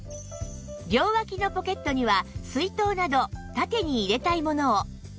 両脇のポケットには水筒など縦に入れたいものを